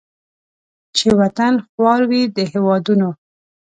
چې وطن خوار وي د هیوادونو